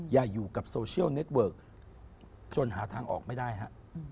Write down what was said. อย่าอยู่กับโซเชียลเน็ตเวิร์กจนหาทางออกไม่ได้ฮะ